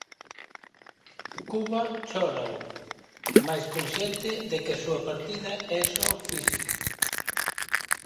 Cuba chórao, mais consciente de que a súa partida é só física.